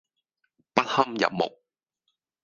不堪入目